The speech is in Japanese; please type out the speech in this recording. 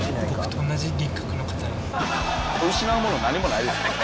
失うもの何もないですから。